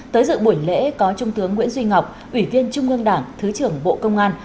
tới dự buổi lễ có trung tướng nguyễn duy ngọc ủy viên trung ương đảng thứ trưởng bộ công an